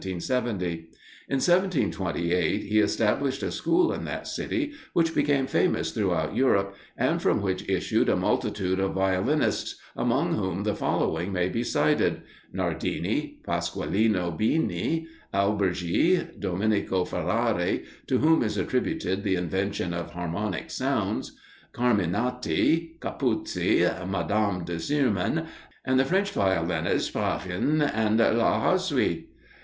In 1728, he established a school in that city, which became famous throughout Europe, and from which issued a multitude of violinists, among whom the following may be cited: Nardini, Pasqualino Bini, Alberghi, Domenico Ferrari, to whom is attributed the invention of harmonic sounds, Carminati, Capuzzi, Madame de Sirmen, and the French violinists, Pagin and La Houssaye.